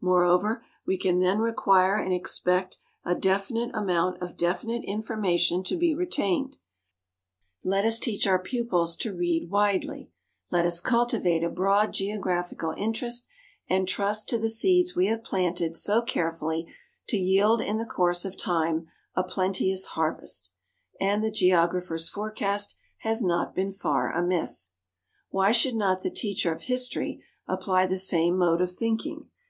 Moreover we can then require and expect a definite amount of definite information to be retained. For the rest, let us teach our pupils to read widely, let us cultivate a broad geographical interest, and trust to the seeds we have planted so carefully to yield in the course of time a plenteous harvest." And the geographer's forecast has not been far amiss. Why should not the teacher of history apply the same mode of thinking?